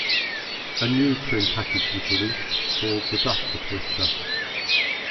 A new trim package was released, called the Duster Twister.